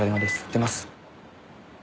出ます。